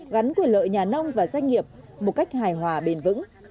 gắn quyền lợi nhà nông và doanh nghiệp một cách hài hòa bền vững